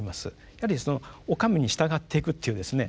やはりお上に従っていくっていうですね